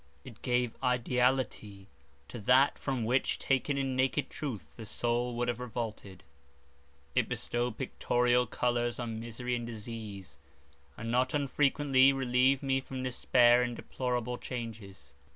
It gave ideality to that, from which, taken in naked truth, the soul would have revolted: it bestowed pictorial colours on misery and disease, and not unfrequently relieved me from despair in deplorable changes.